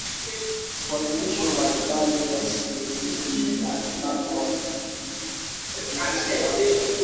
Wanajeshi wa Marekani wasiozidi mia tano wameidhinishwa kuingia Somalia